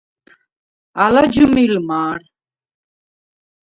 ალა ჯჷმილ მა̄რ.